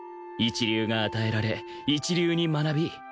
一流が与えられ一流に学び